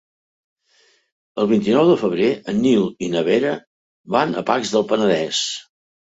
El vint-i-nou de febrer en Nil i na Vera van a Pacs del Penedès.